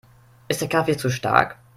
Ist der Kaffee zu stark?